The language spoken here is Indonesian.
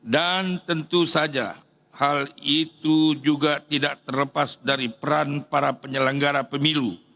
dan tentu saja hal itu juga tidak terlepas dari peran para penyelenggara pemilu